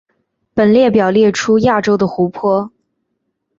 本列表列出亚洲的湖泊。